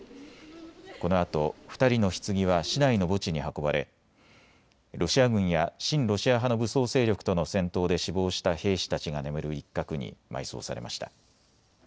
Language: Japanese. このあと２人のひつぎは市内の墓地に運ばれロシア軍や親ロシア派の武装勢力との戦闘で死亡した兵士たちが眠る一角に埋葬されました。